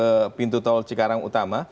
menuju pintu tol cikarang utama